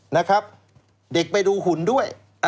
นะครับเด็กไปดูหุ่นด้วย